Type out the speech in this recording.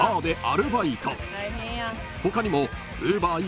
［他にも］